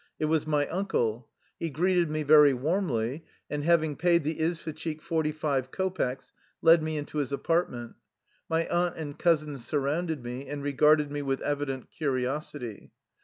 It was my uncle. He greeted me very warmly and, having paid the izvoshchik forty five kopecks, led me into his apartment. My aunt and cousins surrounded me and re garded me with evident curiosity.